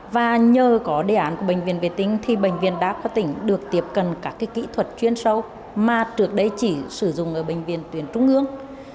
và nhờ có đề án của bệnh viện vệ tinh thì bệnh viện đa khoa tỉnh được tiếp cận các kỹ thuật chuyên sâu mà trước đây chỉ sử dụng ở bệnh viện tuyến trung ương